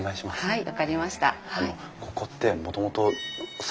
はい。